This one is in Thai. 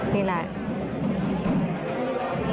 นี่แหละ